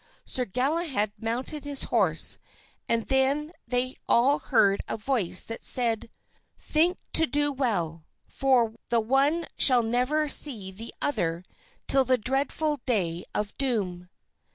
Sir Galahad mounted his horse and then they all heard a voice that said, "Think to do well, for the one shall never see the other till the dreadful day of doom."